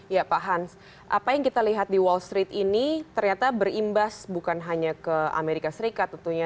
ya pak hans apa yang kita lihat di wall street ini ternyata berimbas bukan hanya ke amerika serikat tentunya